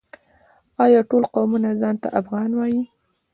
آیا ټول قومونه ځان ته افغان وايي؟